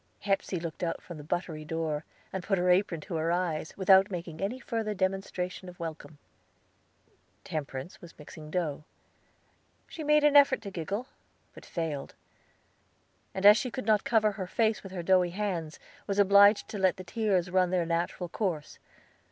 Hepsey looked out from the buttery door, and put her apron to her eyes, without making any further demonstration of welcome. Temperance was mixing dough. She made an effort to giggle, but failed; and as she could not cover her face with her doughy hands, was obliged to let the tears run their natural course.